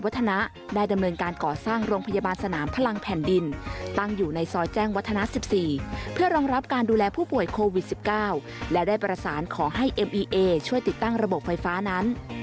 ติดตามเรื่องนี้จากรายงานค่ะ